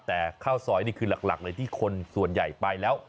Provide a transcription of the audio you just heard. แต่ข้าวซอยนี่คือหลักเลยที่คนส่วนใหญ่ไปแล้ว